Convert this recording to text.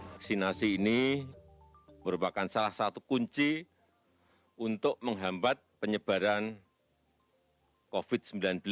vaksinasi ini merupakan salah satu kunci untuk menghambat penyebaran covid sembilan belas